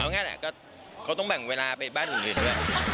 เอาง่ายน่ะก็เขาต้องแบ่งเวลาไปบ้านหนึ่งเถียว